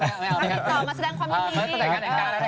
มาติดต่อมาแสดงความยินดี